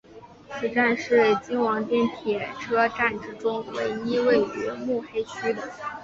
此站是京王电铁车站之中唯一位于目黑区的。